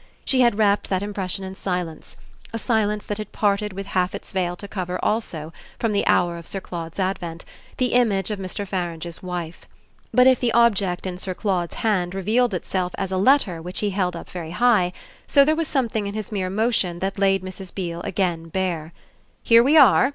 She had wrapped that impression in silence a silence that had parted with half its veil to cover also, from the hour of Sir Claude's advent, the image of Mr. Farange's wife. But if the object in Sir Claude's hand revealed itself as a letter which he held up very high, so there was something in his mere motion that laid Mrs. Beale again bare. "Here we are!"